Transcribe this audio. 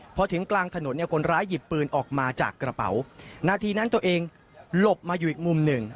พอถึงกลางถนนเนี่ยคนร้ายหยิบปืนออกมาจากกระเป๋านาทีนั้นตัวเองหลบมาอยู่อีกมุมหนึ่ง